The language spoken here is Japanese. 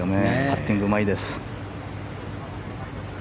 パッティングうまいです。